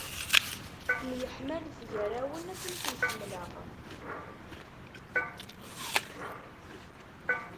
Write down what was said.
Myeḥmalet gar-awen akken i ken-ḥemmleɣ.